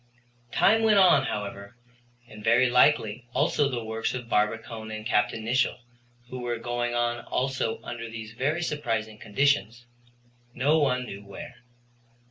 Time went on, however, and very likely also the works of Barbicane and Capt. Nicholl who were going on also under these very surprising conditions, no one knew where.